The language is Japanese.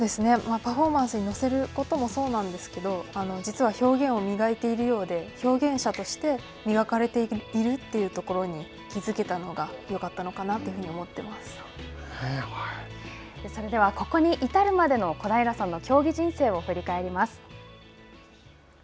パフォーマンスに乗せることもそうなんですけど、実は表現を磨いているようで表現者として磨かれているというところに気付けたのがよかったのかなと思それではここに至るまでの小平さんの競技人生を振り返ります。